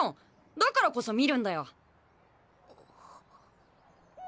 だからこそ見るんだよ。